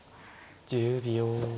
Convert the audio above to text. １０秒。